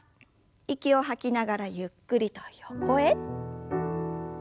息を吐きながらゆっくりと横へ。